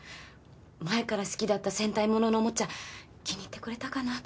前から好きだった戦隊物のオモチャ気に入ってくれたかな